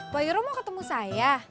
buayro mau ketemu saya